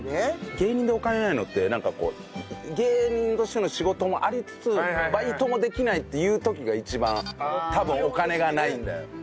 芸人でお金ないのってなんかこう芸人としての仕事もありつつバイトもできないっていう時が一番多分お金がないんだよ。